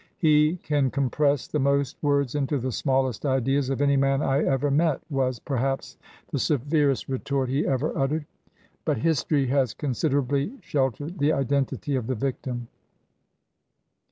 "He can compress the most words into the smallest ideas of any man I ever met," was, perhaps, the severest retort he ever uttered; but 218 THE JURY LAWYER history has considerately sheltered the identity of the victim.